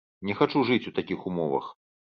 Не хачу жыць у такіх умовах.